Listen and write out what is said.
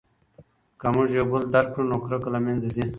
که موږ یو بل درک کړو نو کرکه له منځه ځي.